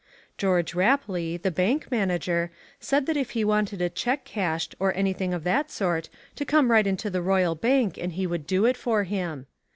George Rapley, the bank manager, said that if he wanted a cheque cashed or anything of that sort to come right into the Royal Bank and he would do it for him.